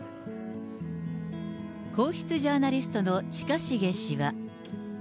皇室ジャーナリストの近重氏は。